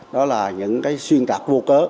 đó là những cái xuyên tạc vô cớ